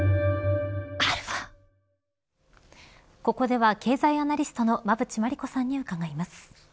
ここでは経済アナリストの馬渕磨理子さんに伺います。